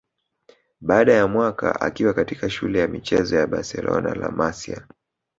Baada ya mwaka akiwa katika shule ya michezo ya Barcelona La Masia